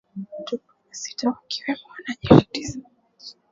Watu kumi na sita wakiwemo wanajeshi tisa walifikishwa mahakamani